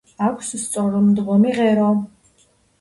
აქვს სწორმდგომი ღერო.